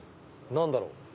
何だろう？